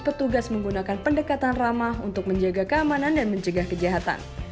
petugas menggunakan pendekatan ramah untuk menjaga keamanan dan mencegah kejahatan